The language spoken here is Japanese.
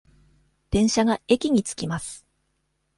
電車が駅に着きます。